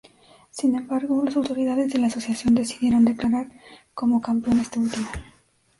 Sin embargo, las autoridades de la asociación decidieron declarar como campeón a este último.